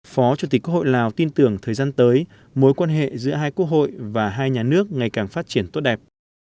phó chủ tịch quốc hội lào tin tưởng thời gian tới mối quan hệ giữa hai quốc hội và hai nhà nước ngày càng phát triển tốt đẹp